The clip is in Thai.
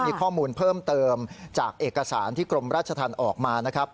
มีข้อมูลเพิ่มเติมจากเอกสารที่กรมราชธรรมออกมานะครับ